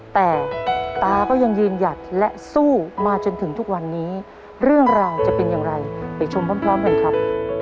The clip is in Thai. แต่ตาก็ยังยืนหยัดและสู้มาจนถึงทุกวันนี้เรื่องราวจะเป็นอย่างไรไปชมพร้อมกันครับ